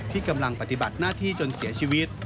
ที่กำลังปฏิบัติหน้าที่จนเสียชีวิต